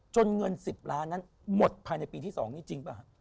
จนเงิน๑๐ล้านหมดภายในปีที่๒นี่จริงป่ะ